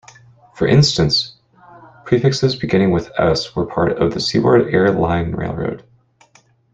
For instance, prefixes beginning with "S" were part of the Seaboard Air Line Railroad.